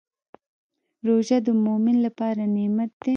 روژه د مؤمن لپاره نعمت دی.